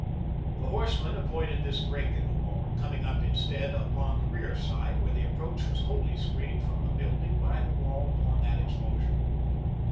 The horsemen avoided this break in the wall, coming up instead upon the rear side where their approach was wholly screened from the building by the wall upon that exposure.